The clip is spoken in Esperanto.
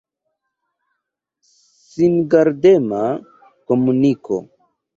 Singardema komuniko.